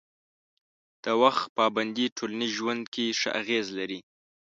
د وخت پابندي ټولنیز ژوند کې ښه اغېز لري.